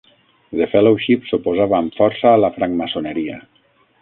The Fellowship s'oposava amb força a la francmaçoneria.